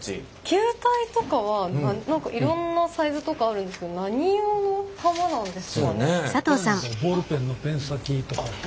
球体とかは何かいろんなサイズとかあるんですけどこれなんかはペン先！？